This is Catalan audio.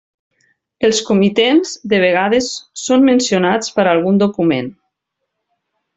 Els comitents de vegades són mencionats per algun document.